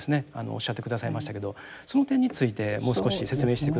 おっしゃって下さいましたけどその点についてもう少し説明して下さいますか。